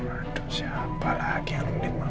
aduh siapa lagi yang nemenin mama